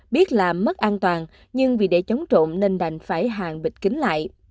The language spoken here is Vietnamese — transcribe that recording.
biết làm mất an toàn nhưng vì để chống trộm nên đành phải hàng bịt kính lại